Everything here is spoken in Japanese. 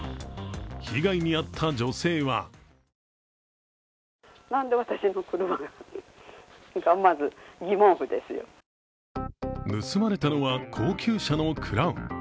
被害に遭った女性は盗まれたのは高級車のクラウン。